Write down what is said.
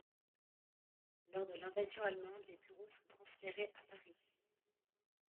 Lors de l'invasion allemande, les bureaux sont transférés à Paris.